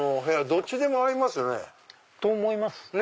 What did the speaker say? どっちでも合いますね。と思います。